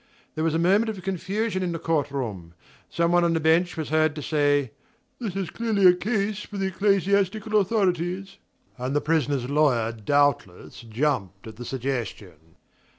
There was a moment of confusion in the court room. Some one on the bench was heard to say: "This is clearly a case for the ecclesiastical authorities" and the prisoner's lawyer doubtless jumped at the suggestion.